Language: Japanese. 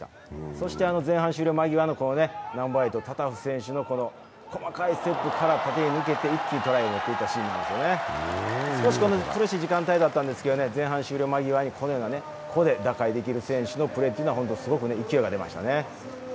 そして前半終了間際のナンバー８、タタフ選手の細かいステップから抜けていって縦に抜けて一気にトライにもっていくというシーン、少し苦しい時間帯だったんですけど、前半終了間際にここで打開できる選手のプレーはすごく勢いが出ましたね。